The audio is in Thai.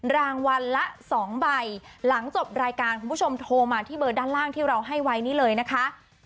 รางวัลละ๒ใบหลังจบรายการคุณผู้ชมโทรมาที่เบอร์ด้านล่างที่เราให้ไว้นี่เลยนะคะ